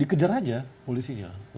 dikejar aja polisinya